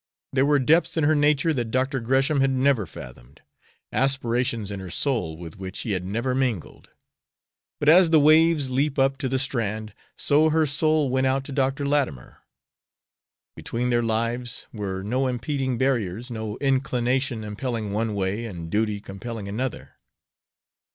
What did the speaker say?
There were depths in her nature that Dr. Gresham had never fathomed; aspirations in her soul with which he had never mingled. But as the waves leap up to the strand, so her soul went out to Dr. Latimer. Between their lives were no impeding barriers, no inclination impelling one way and duty compelling another.